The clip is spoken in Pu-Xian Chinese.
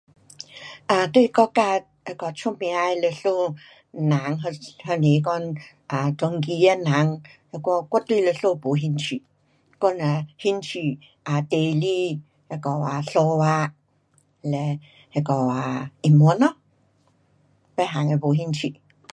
um 对国家那个出名的历史人或是说 um 传奇的人那我我对历史没兴趣。我只兴趣 um 地理那个啊数学，了那个啊英文咯。别样的没兴趣。